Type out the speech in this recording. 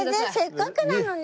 せっかくなのに。